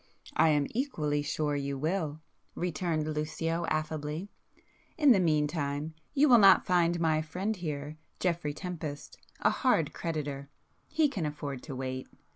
"I am equally sure you will!" returned Lucio affably, "In the meantime, you will not find my friend here, Geoffrey Tempest, a hard creditor,—he can afford to wait.